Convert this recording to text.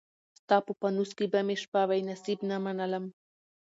ستا په پانوس کي به مي شپه وای، نصیب نه منلم